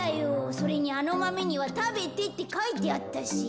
それにあのマメには「食べて」ってかいてあったし。